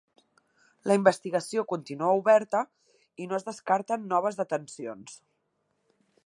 La investigació continua oberta i no es descarten noves detencions.